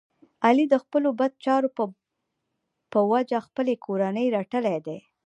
علی د خپلو بد چارو په جه خپلې کورنۍ رټلی دی.